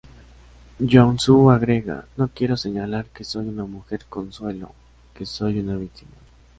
Yong-soo agrega: ""No quiero señalar que soy una mujer consuelo, que soy una víctima.